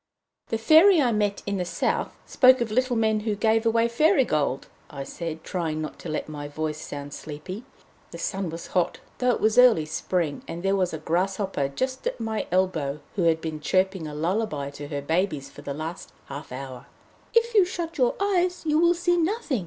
"The Fairy I met in the South spoke of little men who gave away fairy gold," I said, trying not to let my voice sound sleepy. The sun was hot, though it was early spring, and there was a grasshopper just at my elbow who had been chirping a lullaby to her babies for the last half hour. "If you shut your eyes you will see nothing!"